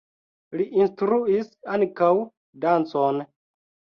Li instruis ankaŭ dancon.